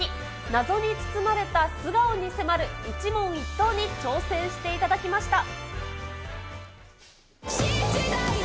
謎に包まれた素顔に迫る一問一答に挑戦していただきました。